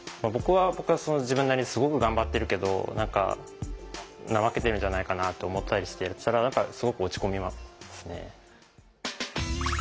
僕は自分なりにすごく頑張ってるけど怠けてるんじゃないかなと思ったりしてすごく落ち込みますね。